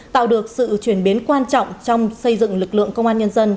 tạo được sự chuyển biến quan trọng trong xây dựng lực lượng công an nhân dân